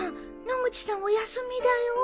野口さんお休みだよ。